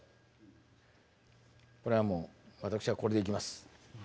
これはもう私はこれでいきます。